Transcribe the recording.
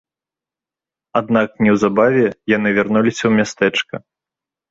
Аднак неўзабаве яны вярнуліся ў мястэчка.